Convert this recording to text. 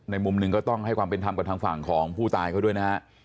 มุมหนึ่งก็ต้องให้ความเป็นธรรมกับทางฝั่งของผู้ตายเขาด้วยนะฮะ